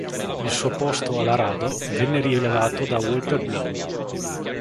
Il suo posto all'Arado venne rilevato da Walter Blume.